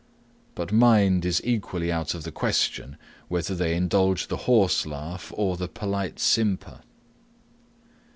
But mind is equally out of the question, whether they indulge the horse laugh or polite simper.